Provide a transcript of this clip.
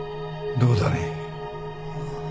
どうだね？